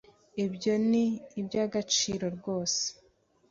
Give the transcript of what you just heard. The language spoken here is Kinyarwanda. ibyo ni iby'agaciro rwose